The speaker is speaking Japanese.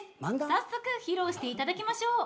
早速披露していただきましょう。